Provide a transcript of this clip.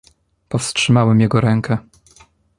"Powstrzymałem jego rękę."